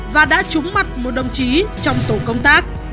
và đã trúng mặt một đồng chí trong tổ công tác